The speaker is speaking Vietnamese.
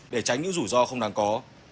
để tránh những rủi ro không đáng có